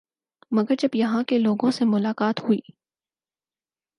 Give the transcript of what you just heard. مگر جب یہاں کے لوگوں سے ملاقات ہوئی